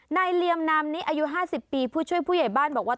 เหลี่ยมนามนี้อายุ๕๐ปีผู้ช่วยผู้ใหญ่บ้านบอกว่า